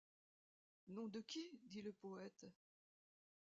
Nom de qui? dit le poëte.